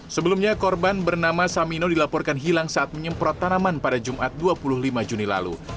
sebelumnya korban bernama samino dilaporkan hilang saat menyemprot tanaman pada jumat dua puluh lima juni lalu